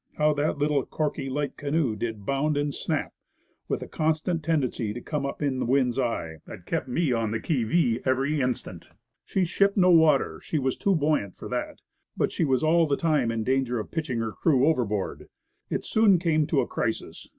How that little, corky, light canoe did bound and snap, with a constant tendency to come up in the wind's eye, that kept me on the qui vive every instant. She shipped no water; she was too buoyant for that. But she was all the time in danger of pitching her crew overboard. It soon came to a crisis.